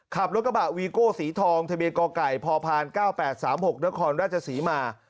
ขับรถกระบะวีโก้สีทองทะเบียนกไก่พพ๙๘๓๖นครราชศรีมา